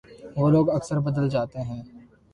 وہ لوگ اکثر بدل جاتے ہیں